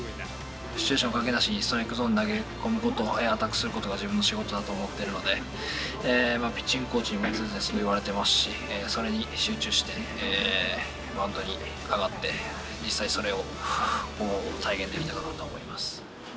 シチュエーション関係なしにストライクゾーンに投げ込むこと、アタックすることが自分の仕事だと思っているので、ピッチングコーチにも常々言われてますし、それに集中して、マウンドに上がって実際にそれを体現できたかなと思います。